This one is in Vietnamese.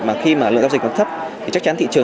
mà khi mà lượng giao dịch còn thấp thì chắc chắn thị trường